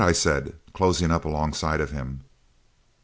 I said, closing up alongside of him.